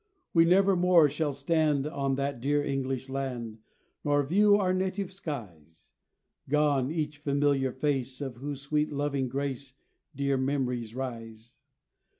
We never more shall stand On that dear English land, Nor view our native skies; Gone each familiar face Of whose sweet loving grace Dear memories rise.